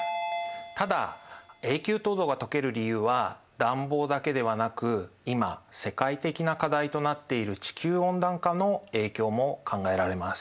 ただ永久凍土がとける理由は暖房だけではなく今世界的な課題となっている地球温暖化の影響も考えられます。